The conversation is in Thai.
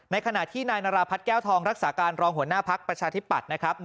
ขณะที่นายนาราพัฒน์แก้วทองรักษาการรองหัวหน้าภักดิ์ประชาธิปัตย์นะครับ